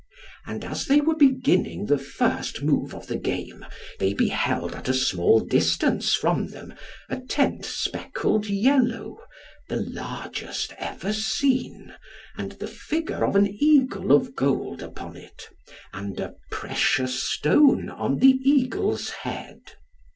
And as they were beginning the first move of the game, they beheld at a small distance from them a tent speckled yellow, the largest ever seen, and the figure of an eagle of gold upon it, and a precious stone on the eagle's head.